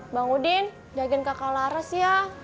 bang udin daging kakak laras ya